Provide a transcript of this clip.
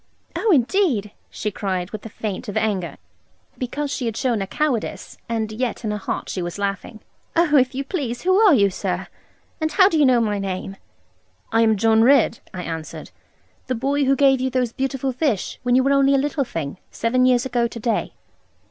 'Oh, indeed,' she cried, with a feint of anger (because she had shown her cowardice, and yet in her heart she was laughing); 'oh, if you please, who are you, sir, and how do you know my name?' 'I am John Ridd,' I answered; 'the boy who gave you those beautiful fish, when you were only a little thing, seven years ago to day.'